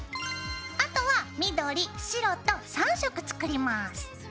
あとは緑白と３色作ります。